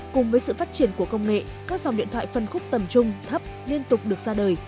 cùng với sự phát triển của công nghệ các dòng điện thoại phân khúc tầm trung thấp liên tục được ra đời